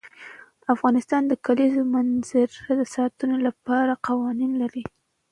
افغانستان د د کلیزو منظره د ساتنې لپاره قوانین لري.